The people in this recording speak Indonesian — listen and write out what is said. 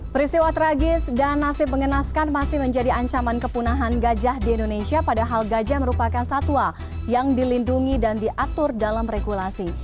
peristiwa tragis dan nasib mengenaskan masih menjadi ancaman kepunahan gajah di indonesia padahal gajah merupakan satwa yang dilindungi dan diatur dalam regulasi